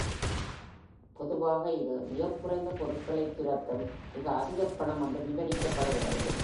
பொதுவாக இது, "மிகக் குறைந்த பொருட்களைத் துரத்தும் மிக அதிகப் பணம்" என்று விவரிக்கப்படுகிறது.